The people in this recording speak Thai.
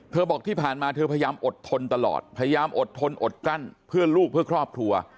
บอกที่ผ่านมาเธอพยายามอดทนตลอดพยายามอดทนอดกลั้นเพื่อลูกเพื่อครอบครัว